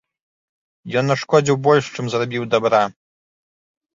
Ён нашкодзіў больш, чым зрабіў дабра.